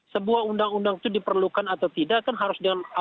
sebuah undang undang itu diperlukan atau tidak kan harus dengan